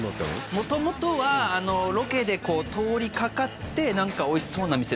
もともとはロケで通りかかって何かおいしそうなお店